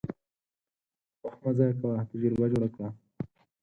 وخت مه ضایع کوه، تجربه جوړه وه.